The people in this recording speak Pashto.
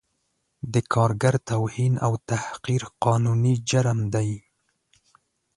د کارګر توهین او تحقیر قانوني جرم دی